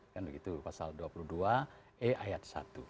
kan begitu pasal dua puluh dua e ayat satu